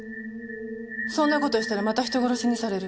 そんな事したらまた人殺しにされる。